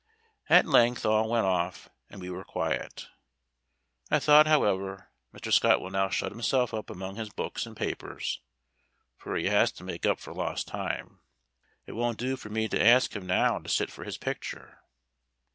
At length all went off, and we were quiet. I thought, however, Mr. Scott will now shut himself up among his books and papers, for he has to make up for lost time; it won't do for me to ask him now to sit for his picture.